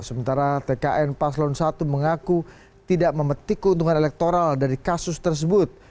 sementara tkn paslon satu mengaku tidak memetik keuntungan elektoral dari kasus tersebut